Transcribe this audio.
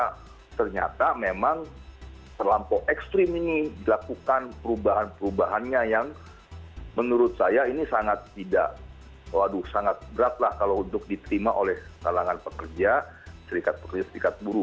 karena ternyata memang terlampau ekstrim ini dilakukan perubahan perubahannya yang menurut saya ini sangat tidak waduh sangat berat lah kalau untuk diterima oleh kalangan pekerja serikat pekerja serikat buruh